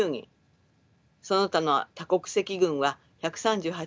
その他の多国籍軍は１３８人でした。